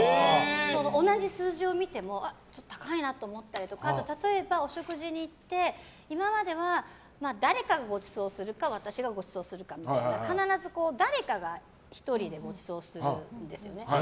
同じ数字を見てもちょっと高いなと思ったりとか例えば、お食事に行って今までは誰かがごちそうするか私がごちそうするかみたいな必ず誰かが１人でごちそうするんですよね。